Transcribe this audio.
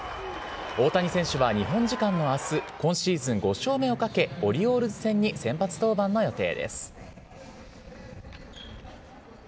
大谷選手は日本時間のあす、今シーズン５勝目をかけ、オリオールズ戦に先発登板の予定です。